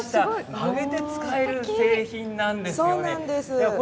曲げて使える製品なんです。